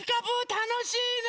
たのしいね。